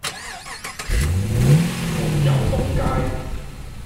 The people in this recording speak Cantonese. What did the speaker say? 鳳攸東街